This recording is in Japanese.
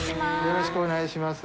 ・よろしくお願いします。